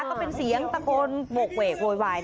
ก็เป็นเสียงตะโกนโหกเวกโวยวาย